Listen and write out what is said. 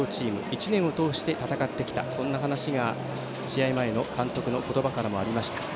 一年を通して戦ってきたそんな話が試合前の監督の言葉からもありました。